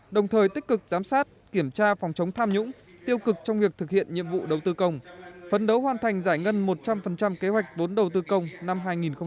đồng thời tích cực giám sát kiểm tra phòng chống tham nhũng tiêu cực trong việc thực hiện nhiệm vụ đầu tư công phấn đấu hoàn thành giải ngân một trăm linh kế hoạch vốn đầu tư công năm hai nghìn hai mươi